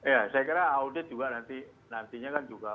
ya saya kira audit juga nantinya kan juga